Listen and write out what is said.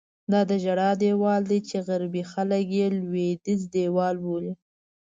دا د ژړا دیوال دی چې غربي خلک یې لوېدیځ دیوال بولي.